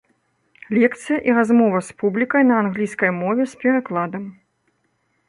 Лекцыя і размова з публікай на англійскай мове з перакладам.